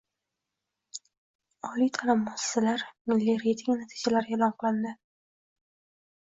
Oliy ta’lim muassasalari milliy reyting natijalari e’lon qilinding